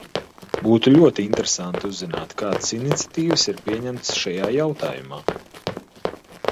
Būtu ļoti interesanti uzzināt, kādas iniciatīvas ir pieņemtas šajā jautājumā.